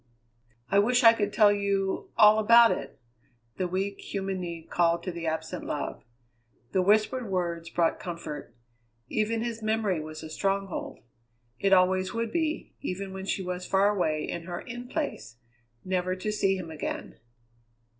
"I wish I could tell you all about it!" the weak, human need called to the absent love. The whispered words brought comfort; even his memory was a stronghold. It always would be, even when she was far away in her In Place, never to see him again.